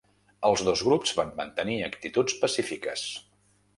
Els dos grups van mantenir actituds pacífiques